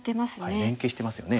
連係してますよね。